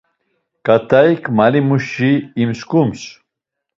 Ǩat̆aik malimuşi imsǩums.